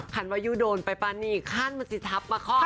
หันว่าอยู่โดนไปป่านนี้คานมันสิทับมาข้อหักหล่ายเนอะ